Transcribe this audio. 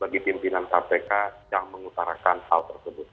bagi pimpinan kpk yang mengutarakan hal tersebut